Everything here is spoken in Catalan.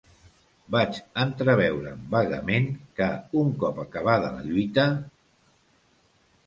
Vaig entreveure, vagament, que, un cop acabada la lluita...